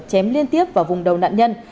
chém liên tiếp vào vùng đầu nạn nhân